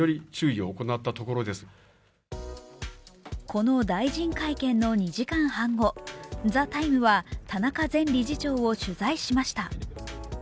この大臣会見の２時間半後「ＴＨＥＴＩＭＥ，」は田中前理事長を取材しました。